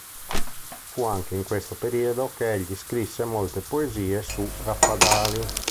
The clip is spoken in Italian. Fu anche in questo periodo che egli scrisse molte poesie su Raffadali.